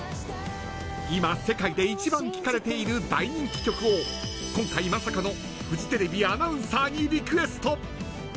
今、世界で一番聞かれている大人気曲を今回、まさかのフジテレビアナウンサーにリクエスト。